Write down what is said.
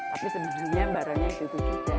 tapi sebenarnya barangnya itu saja